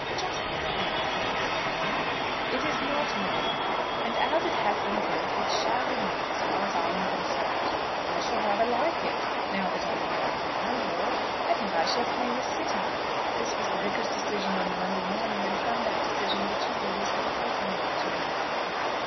"Just the same," said Mrs. Fenwick. "It is not in the garden; and, as it has been built, it shall remain, as far as I am concerned. I shall rather like it, now that I know I am the landlord. I think I shall claim a sitting." This was the Vicar's decision on the Monday morning, and from that decision the two ladies were quite unable to move him.